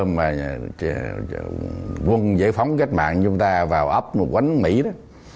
mà quân giải phóng cách mạng chúng ta vào ấp một quán mỹ đó